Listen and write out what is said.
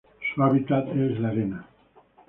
Su hábitat es de arena.